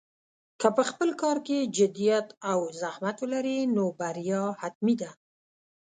که په خپل کار کې جدیت او زحمت ولرې، نو بریا حتمي ده.